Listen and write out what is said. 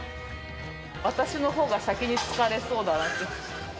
私のほうが先に疲れそうだな。